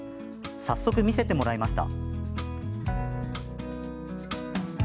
早速、見せてもらいました。